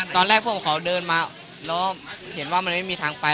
ตอนแรกพวกเขาเดินมาแล้วเห็นว่ามันไม่มีทางไป